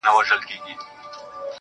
بدراتلونکی دې مستانه حال کي کړې بدل.